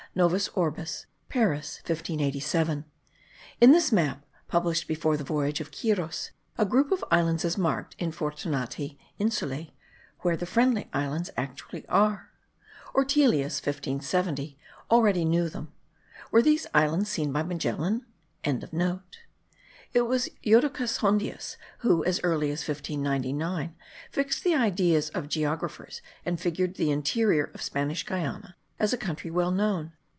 Novus Orbis, Paris 1587. In this map, published before the voyage of Quiros, a group of Islands is marked (Infortunatae Insulae) where the Friendly Islands actually are. Ortelius (1570) already knew them. Were they islands seen by Magellan?) It was Jodocus Hondius who, as early as the year 1599, fixed the ideas of geographers and figured the interior of Spanish Guiana as a country well known.